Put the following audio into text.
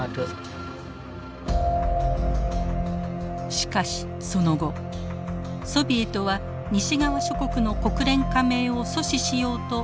しかしその後ソビエトは西側諸国の国連加盟を阻止しようと拒否権を連発。